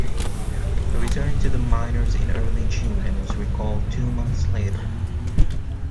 He returned to the minors in early June and was recalled two months later.